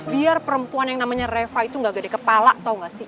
biar perempuan yang namanya reva itu nggak gede kepala tau gak sih